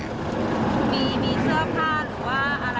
มีเสื้อผ้าหรือว่าอะไร